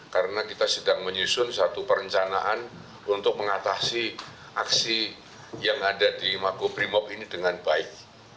karena kita sedang menyusun satu perencanaan untuk mengatasi aksi yang ada di magu primob ini dengan baik